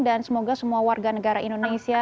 dan semoga semua warga negara indonesia